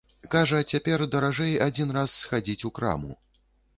Кажа, цяпер даражэй адзін раз схадзіць у краму.